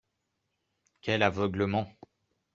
Quel aveuglement